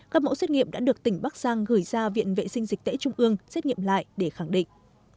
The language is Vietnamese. các mẫu xét nghiệm đã được tỉnh bắc giang gửi ra viện vệ sinh dịch tễ trung ương xét nghiệm lại để khẳng định